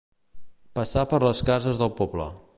Passar per les cases del poble.